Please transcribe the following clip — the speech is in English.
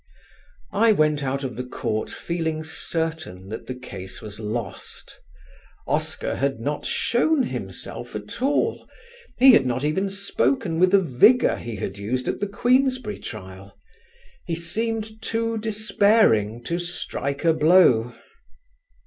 I went out of the court feeling certain that the case was lost. Oscar had not shown himself at all; he had not even spoken with the vigour he had used at the Queensberry trial. He seemed too despairing to strike a blow.